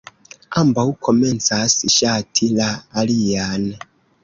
Ambaŭ komencas ŝati la alian.